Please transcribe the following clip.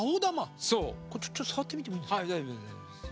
ちょっと触ってみてもいいですか？